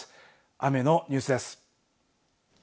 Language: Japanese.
雨のニュースです。